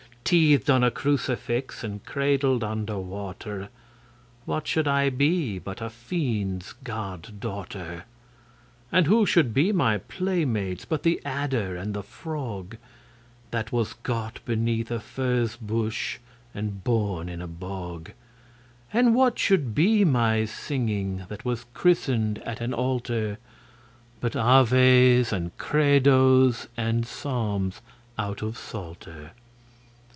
Teethed on a crucifix and cradled under water, What should I be but a fiend's god daughter? And who should be my playmates but the adder and the frog, That was got beneath a furze bush and born in a bog? And what should be my singing, that was christened at an altar, But Aves and Credos and Psalms out of Psalter?